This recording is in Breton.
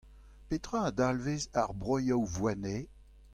Petra a dalvez ar broioù « Voynet »?